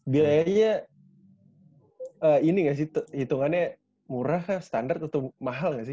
biayanya ini gak sih hitungannya murah kah standar atau mahal gak sih